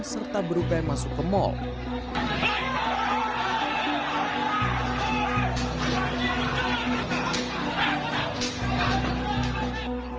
serta berupaya masuk ke mall